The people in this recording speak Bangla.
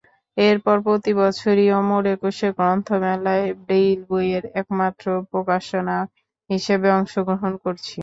এরপর প্রতিবছরই অমর একুশে গ্রন্থমেলায় ব্রেইল বইয়ের একমাত্র প্রকাশনা হিসেবে অংশগ্রহণ করছি।